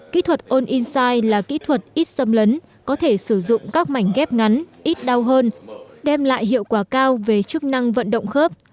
kỹ thuật ôn in sai là kỹ thuật ít xâm lấn có thể sử dụng các mảnh ghép ngắn ít đau hơn đem lại hiệu quả cao về chức năng vận động khớp